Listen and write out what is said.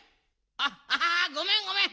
あっあごめんごめん。